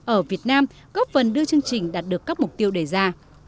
ở việt nam góp phần đưa chương trình đạt được các mục tiêu đề ra